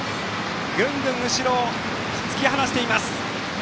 ぐんぐん後ろを突き放しています。